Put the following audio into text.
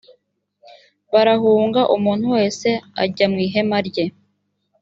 barahunga umuntu wese ajya mu ihema rye